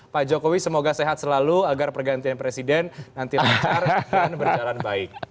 pak jokowi semoga sehat selalu agar pergantian presiden nanti lancar dan berjalan baik